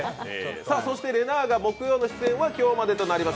そして、れなぁが木曜の出演は今日までとなります。